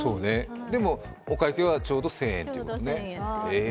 でもお会計は、ちょうど１０００円というね。